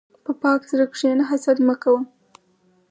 په پاک زړه کښېنه، حسد مه کوه.